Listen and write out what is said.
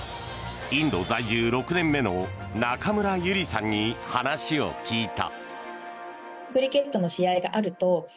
インド在住６年目の中村ゆりさんに話を聞いた。